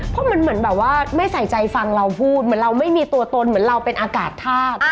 เพราะมันเหมือนแบบว่าไม่ใส่ใจฟังเราพูดเหมือนเราไม่มีตัวตนเหมือนเราเป็นอากาศธาตุ